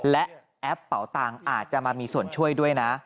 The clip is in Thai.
และแอปเป่าตังค์อาจจะมามีส่วนช่วยด้วยนะ